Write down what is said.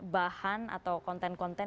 bahan atau konten konten